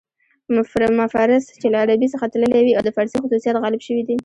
مفرس چې له عربي څخه تللي وي او د فارسي خصوصیات غالب شوي دي.